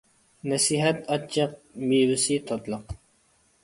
نەسىھەت ئاچچىق، مېۋىسى تاتلىق.